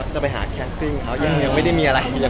จะไปหาแคสติ้งเขายังไม่ได้มีอะไร